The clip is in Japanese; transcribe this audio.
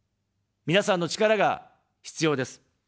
皆さんの力が必要です。